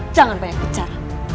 jangan banyak bicara